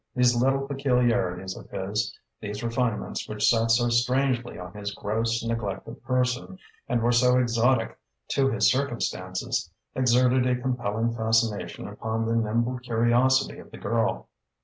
These little peculiarities of his, these refinements which sat so strangely on his gross, neglected person and were so exotic to his circumstances, exerted a compelling fascination upon the nimble curiosity of the girl.